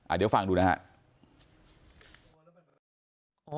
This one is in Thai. อ่าเดี๋ยวฟังดูนะฮะ